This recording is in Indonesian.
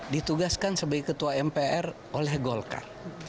ditugaskan sebagai ketua mpr oleh golkar